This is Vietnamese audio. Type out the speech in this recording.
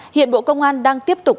hiện bộ công an đang tiếp tục